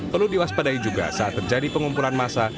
perlu diwaspadai juga saat terjadi pengumpulan massa